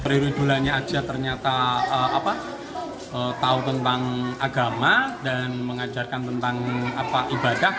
periode bulannya aja ternyata tahu tentang agama dan mengajarkan tentang ibadah